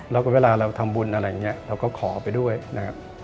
แล้วก็เวลาเราทำบุญอะไรอย่างนี้เราก็ขอไปด้วยนะครับ